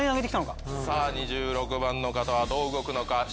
さあ２６番の方はどう動くのか？